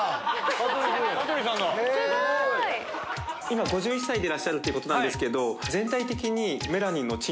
今５１歳でいらっしゃるということですけど。